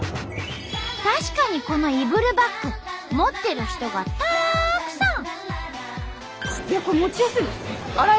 確かにこのイブルバッグ持ってる人がたくさん！